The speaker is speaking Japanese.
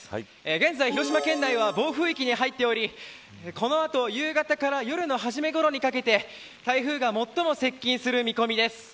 現在、広島県内は暴風域に入っておりこの後、夕方から夜の初めごろにかけて台風が最も接近する見込みです。